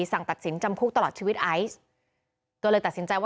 สั่งตัดสินจำคุกตลอดชีวิตไอซ์ก็เลยตัดสินใจว่า